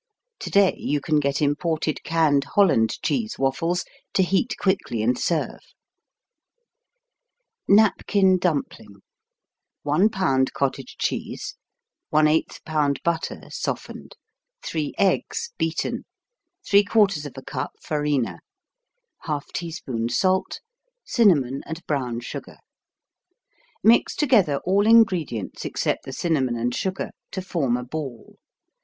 Today you can get imported canned Holland cheese waffles to heat quickly and serve. Napkin Dumpling 1 pound cottage cheese 1/8 pound butter, softened 3 eggs, beaten 3/4 cup Farina 1/2 teaspoon salt Cinnamon and brown sugar Mix together all ingredients (except the cinnamon and sugar) to form a ball.